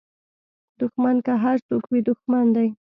دوښمن که هر څوک وي دوښمن دی